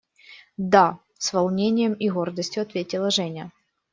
– Да! – с волнением и гордостью ответила Женя.